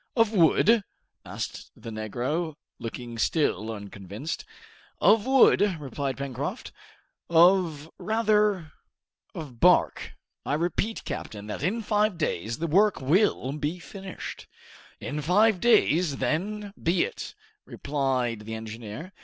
"Of wood?" asked the Negro, looking still unconvinced. "Of wood," replied Pencroft, "or rather of bark. I repeat, captain, that in five days the work will be finished!" "In five days, then, be it," replied the engineer.